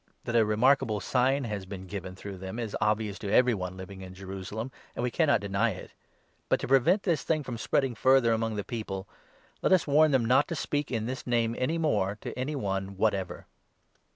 16 "That a remarkable sign has been given through them is obvious to every one living in Jerusalem, and we cannot deny it. But, to prevent this thing from spreading further among 17 the people, let us warn them not to speak in this Name any more to any one whatever."